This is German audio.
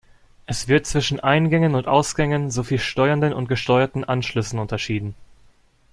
Es wird zwischen Eingängen- und Ausgängen sowie steuernden und gesteuerten Anschlüssen unterschieden.